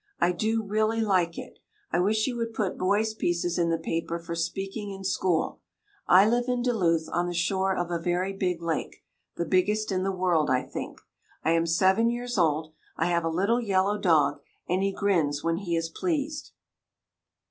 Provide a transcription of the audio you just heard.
I do really like it. I wish you would put boys' pieces in the paper for speaking in school. I live in Duluth, on the shore of a very big lake the biggest in the world, I think. I am seven years old. I have a little yellow dog, and he grins when he is pleased.